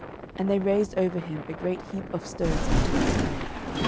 06:007:026 And they raised over him a great heap of stones unto this day.